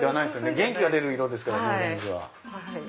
元気が出る色ですからね。